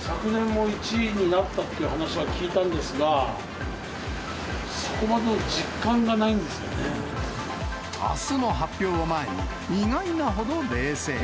昨年も１位になったっていう話は聞いたんですが、そこまでのあすの発表を前に、意外なほど、冷静。